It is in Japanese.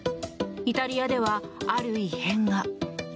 イタリアでは、ある異変が。